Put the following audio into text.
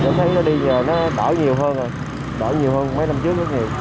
tôi thấy đi giờ nó đổi nhiều hơn rồi đổi nhiều hơn mấy năm trước nữa